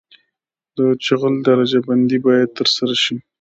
د جغل درجه بندي باید ترسره شي